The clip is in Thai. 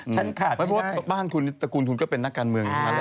ไม่ว่าบ้างคุณตระกูลคุณก็เป็นนักการเมือง